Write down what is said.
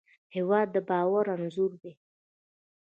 هېواد د باور انځور دی.